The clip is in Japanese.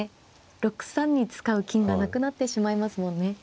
６三に使う金がなくなってしまいますもんね。